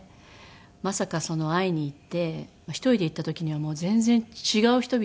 まさか会いに行って１人で行った時にはもう全然違う人みたいに甘えて。